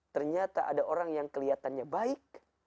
ternyata ada orang yang kelihatannya baik